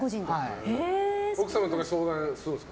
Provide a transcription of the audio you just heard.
奥様とか相談するんですか？